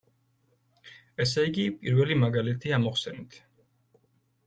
ესე იგი, პირველი მაგალითი ამოვხსენით.